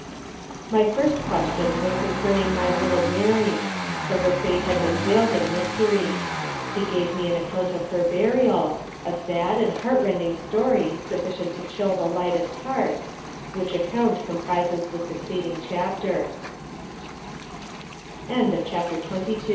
My first question was concerning my little Mary; for her fate had been veiled in mystery. He gave me the account of her burial a sad and heart rending story, sufficient to chill the lightest heart which ac count comprises the succeeding chapte